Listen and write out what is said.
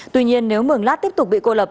tuy nhiên nếu mường lát tiếp tục bị cô lập